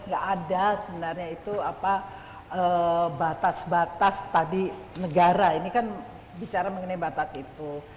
nggak ada sebenarnya itu apa batas batas tadi negara ini kan bicara mengenai batas itu